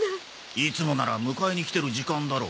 いつもなら迎えに来てる時間だろ。